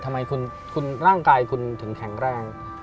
ทำไมคุณร่างกายคุณถึงแข็งแรง